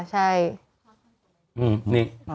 ใช่ค่ะ